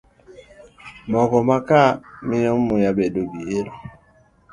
Mogo makaa miyo muya bedo gi iro.